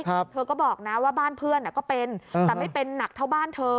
เธอก็บอกนะว่าบ้านเพื่อนอ่ะก็เป็นแต่ไม่เป็นหนักเท่าบ้านเธอ